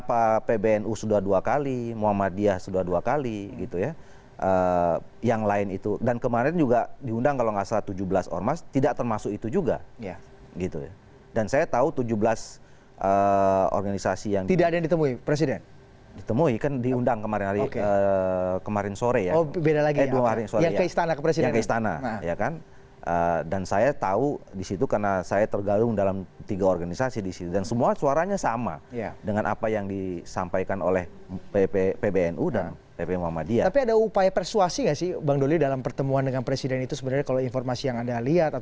apalagi kemudian alasannya tidak bisa mengakses dari bandara